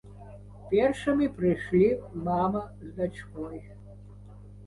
Першымі прыйшлі мама з дачкой.